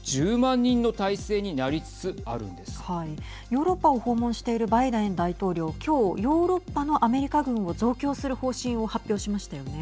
ヨーロッパを訪問しているバイデン大統領きょうヨーロッパのアメリカ軍を増強する方針を発表しましたよね。